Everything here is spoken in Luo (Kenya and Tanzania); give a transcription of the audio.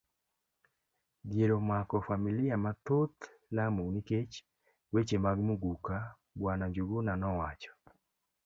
Dhier omako familia mathoth Lamu nikech weche mag Muguka, bw. Njuguna nowacho.